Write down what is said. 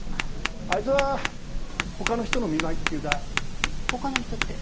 あいつはほかの人の見舞いっていうかほかの人って？